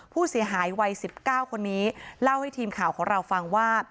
ผู้เสียหายวัย๑๙คนนี้เล่าให้ทีมข่าวของเราฟังว่า